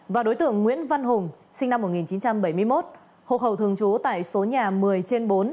và đối tượng nguyễn văn hùng sinh năm một nghìn chín trăm bảy mươi một hộ khẩu thường trú tại số nhà một mươi trên bốn